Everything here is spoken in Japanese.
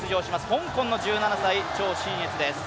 香港の１７歳、張心悦です。